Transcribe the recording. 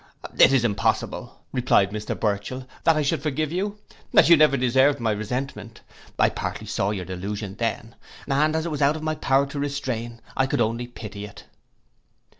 'It is impossible,' replied Mr Burchell, 'that I should forgive you, as you never deserved my resentment. I partly saw your delusion then, and as it was out of my power to restrain, I could only pity it!